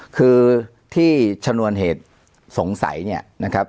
คือที่ชะนวนเหตุสงสัย